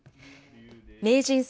名人戦